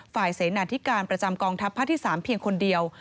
เสนาธิการประจำกองทัพภาคที่๓เพียงคนเดียว